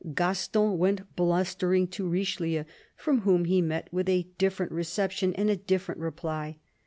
Gaston went blustering to Richelieu, from whom he met with a different reception and a different reply.